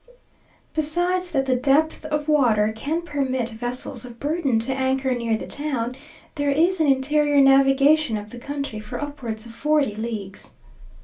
Besides that the depth of water can permit vessels of burden to anchor near the town, there is an interior navigation up the country, for upwards of forty leagues.